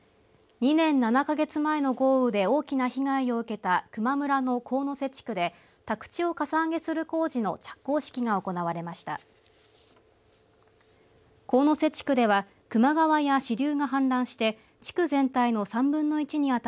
２年７か月前の豪雨で大きな被害を受けた球磨村の神瀬地区で宅地をかさ上げする工事の着工式が行われました。